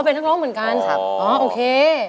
เป็นนักร้องเหมือนกันครับอ๋อโอเค